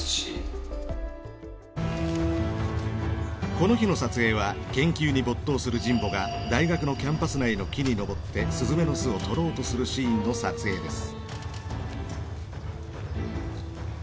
この日の撮影は研究に没頭する神保が大学のキャンパス内の木に登ってスズメの巣を取ろうとするシーンの撮影です。